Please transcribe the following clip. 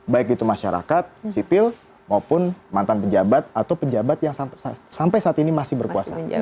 baik itu masyarakat sipil maupun mantan pejabat atau pejabat yang sampai saat ini masih berkuasa